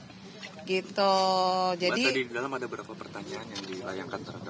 mbak tadi di dalam ada berapa pertanyaan yang dilayangkan terhadap